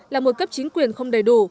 là một cấp chính quyền không đầy đủ